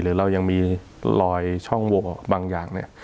หรือเรายังมีลอยช่องวัวบางอย่าง